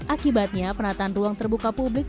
akibatnya penataan ruang terbuka publik